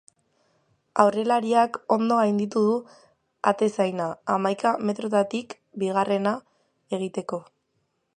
Aurrelariak ondo gainditu du atezaina hamaika metroetatik bigarrena egiteko.